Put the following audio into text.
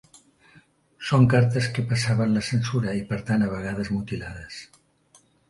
Són cartes que passaven la censura, i per tant a vegades mutilades.